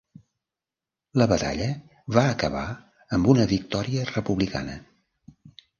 La batalla va acabar amb una victòria republicana.